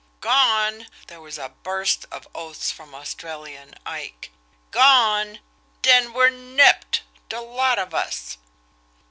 "Gone!" There was a burst of oaths from Australian Ike. "Gone! Den we're nipped de lot of us!"